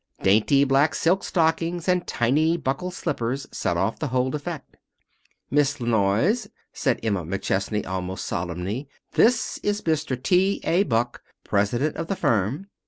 Dainty black silk stockings and tiny buckled slippers set off the whole effect. "Miss La Noyes," said Emma McChesney, almost solemnly, "this is Mr. T. A. Buck, president of the firm.